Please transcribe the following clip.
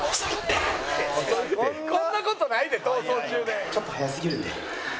こんな事ないで『逃走中』で。